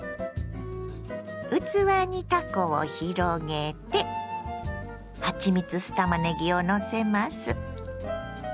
器にたこを広げてはちみつ酢たまねぎをのせます。